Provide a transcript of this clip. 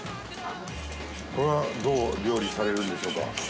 これはどう料理されるんでしょうか？